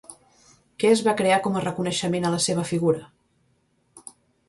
Què es va crear com a reconeixement a la seva figura?